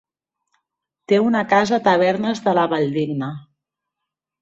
Té una casa a Tavernes de la Valldigna.